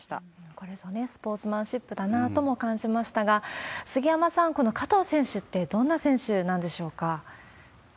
これぞスポーツマンシップだなとも感じましたが、杉山さん、この加藤選手って、どんな選手なんでしょうか？